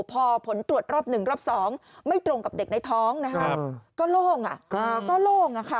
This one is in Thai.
พอผลตรวจรอบ๑รอบ๒ไม่ตรงกับเด็กในท้องนะคะก็โล่งก็โล่งอะค่ะ